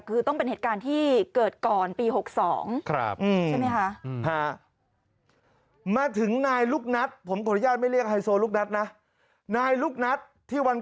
คือต้องเป็นเหตุการณ์ที่เกิดก่อนปี๖๒